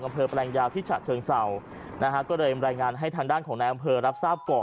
กำเภอแปลงยาวที่ฉะเทิงซาวน่าฮะก็เลยมาแรงงานให้ทางด้านของนายอำเภอ